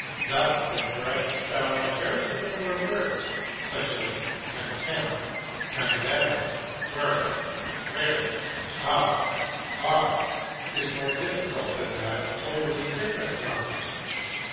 Thus, the correct spelling of very similar words, such as contemn condemn, were where, of off, is more difficult than that of totally different ones.